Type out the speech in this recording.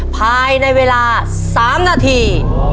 ภายในเวลา๓นาที